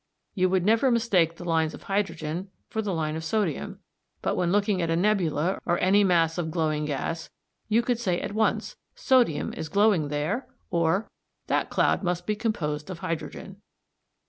You would never mistake the lines of hydrogen for the line of sodium, but when looking at a nebula or any mass of glowing gas you could say at once "sodium is glowing there," or "that cloud must be composed of hydrogen."